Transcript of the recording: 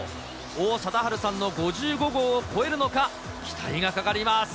王貞治さんの５５号を超えるのか、期待がかかります。